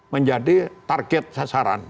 menjadi target sasaran